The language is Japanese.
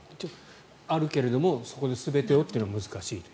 あるけれどもそこで全てというのは難しいと。